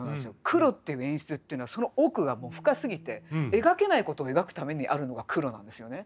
黒っていう演出っていうのはその奥がもう深すぎて描けないことを描くためにあるのが黒なんですよね。